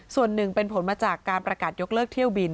ส่วนหนึ่งเป็นผลมาจากการประกาศยกเลิกเที่ยวบิน